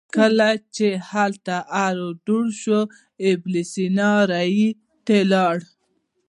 کله چې هلته اړو دوړ شو ابن سینا ري ته ولاړ.